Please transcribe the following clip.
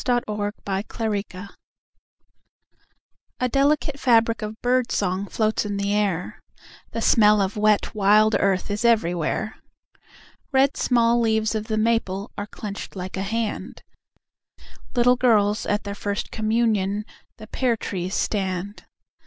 VI The Dark Cup May Day A delicate fabric of bird song Floats in the air, The smell of wet wild earth Is everywhere. Red small leaves of the maple Are clenched like a hand, Like girls at their first communion The pear trees stand.